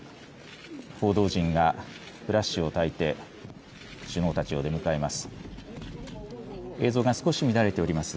報道陣がフラッシュをたいて、首脳たちを出迎えます。